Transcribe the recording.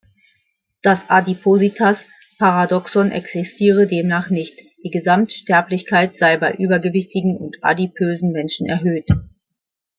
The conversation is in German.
Das „Adipositas-Paradoxon“ existiere demnach nicht; die Gesamt-Sterblichkeit sei bei übergewichtigen und adipösen Menschen erhöht.